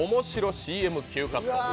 ＣＭＱカット。